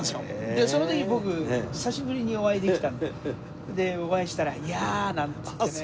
でその時に僕久しぶりにお会いできたんででお会いしたら「いや」なんて言ってね。